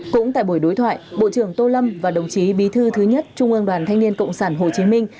cũng tại buổi đối thoại bộ trưởng tô lâm và đồng chí bí thư thứ nhất trung ương đoàn thanh niên cộng sản hồ chí minh